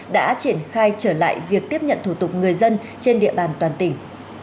đã triển khai trở lại việc tiếp nhận thủ tục người dân trên địa bàn toàn tỉnh